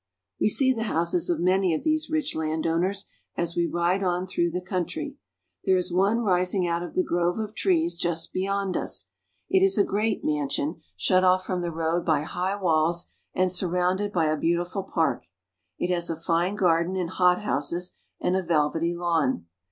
We see the houses of many of these rich landowners as we ride on through the country. There is one rising out of the grove of trees just beyond us. It is a great mansion, shut off from the road by high walls and surrounded by a beautiful park. It has a fine garden and hothouses, and a velvety lawn.